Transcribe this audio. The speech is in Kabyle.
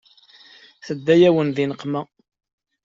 Tedda-yawen di nneqma.